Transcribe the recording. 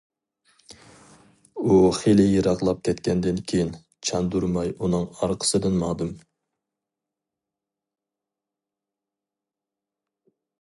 ئۇ خېلى يىراقلاپ كەتكەندىن كېيىن، چاندۇرماي ئۇنىڭ ئارقىسىدىن ماڭدىم.